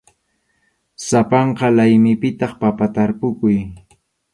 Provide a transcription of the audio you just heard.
Sapanka laymipitaq papa tarpukuq.